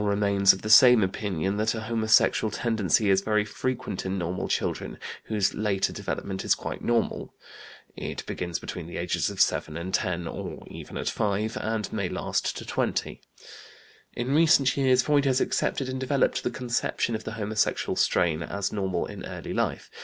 iv), Moll remains of the same opinion that a homosexual tendency is very frequent in normal children, whose later development is quite normal; it begins between the ages of 7 and 10 (or even at 5) and may last to 20. In recent years Freud has accepted and developed the conception of the homosexual strain; as normal in early life.